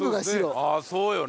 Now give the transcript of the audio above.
ああそうよね。